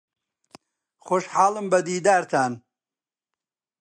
خۆشحاڵم بە دیدارتان.